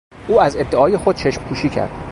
او از ادعای خود چشمپوشی کرد.